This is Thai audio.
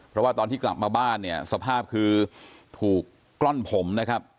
เพราะว่าตอนที่กลับมาบ้านเนี่ยสภาพคือถูกกล้อนผมนะครับ